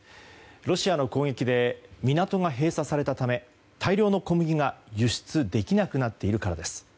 ロシアの攻撃で港が閉鎖されたため大量の小麦が輸出をできなくなっているからです。